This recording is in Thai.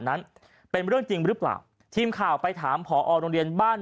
นั้นเป็นเรื่องจริงหรือเปล่าทีมข่าวไปถามผอโรงเรียนบ้าน